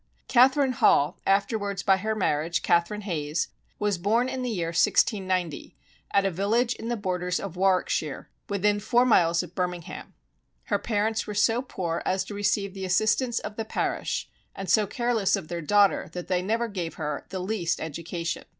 Catherine Hall, afterwards by her marriage, Catherine Hayes, was born in the year 1690, at a village in the borders of Warwickshire, within four miles of Birmingham. Her parents were so poor as to receive the assistance of the parish and so careless of their daughter that they never gave her the least education.